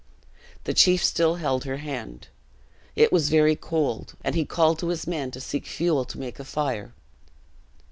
The chief still held her hand. It was very cold, and he called to his men to seek fuel to make a fire.